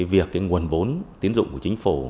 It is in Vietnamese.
việc nguồn vốn tín dụng của chính phủ